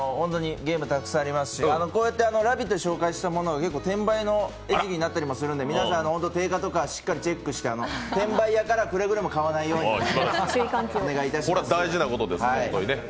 ゲームもたくさんありますし、「ラヴィット！」で紹介したものも転売になってたり、皆さん、定価とかしっかりチェックして、転売ヤーからくれぐれも買わないようにお願いいたします。